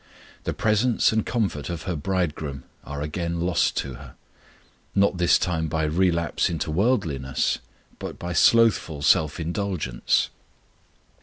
The presence and comfort of her Bridegroom are again lost to her; not this time by relapse into worldliness, but by slothful self indulgence.